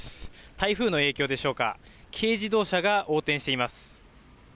台風の影響でしょうか、軽自動車が横転しています。